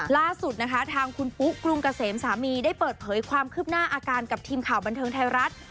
ล่าสุดนะคะทางคุณปุ๊กรุงเกษมสามีได้เปิดเผยความคืบหน้าอาการกับทีมข่าวบันเทิงไทยรัฐ